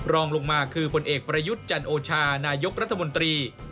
รองลงมาคือผลเอกประยุทธ์จันโอชานายกรัฐมนตรี